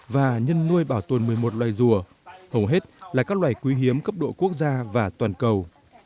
và nhân nuôi bảo tồn một mươi một loài rùa hầu hết là các loài quý hiếm cấp độ quốc gia và toàn cầu